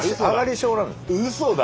うそだ。